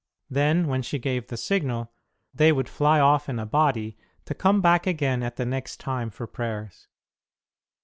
Then, when she gave the signal, they would fly off in a body, to come back again at the next time for prayers.